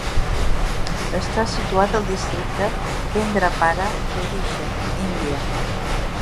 Està situat al districte Kendrapara d"Odisha, India.